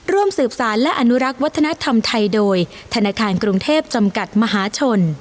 ร่วมสืบสารและอนุรักษ์วัฒนธรรมไทยโดยธนาคารกรุงเทพจำกัดมหาชน